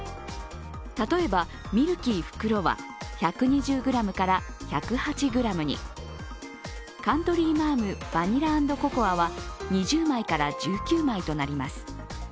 例えば、ミルキー袋は１２０ｇから１０８ｇにカントリーマアムバニラ＆ココアは２０枚から１９枚となります。